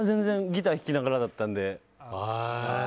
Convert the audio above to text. ギター弾きながらだったんで。